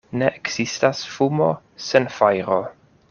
Ne ekzistas fumo sen fajro.